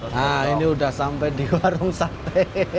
nah ini udah sampai di warung sate